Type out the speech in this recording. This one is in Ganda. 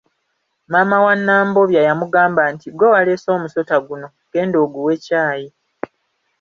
Maama wa Nambobya yamugamba nti ggwe waleese omusota guno, genda oguwe caayi.